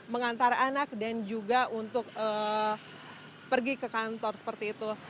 mengantar anak dan juga untuk pergi ke kantor seperti itu